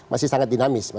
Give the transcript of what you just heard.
masih sangat dinamis